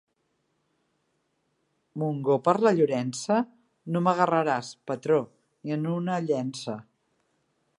Montgó per la Llorença? No m'agarraràs, patró, ni en una llença.